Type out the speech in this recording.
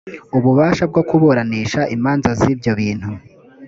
ububasha bwo kuburanisha imanza z ibyo bintu